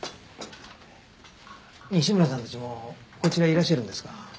西村さんたちもこちらへいらっしゃるんですか？